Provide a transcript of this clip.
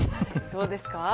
どうですか？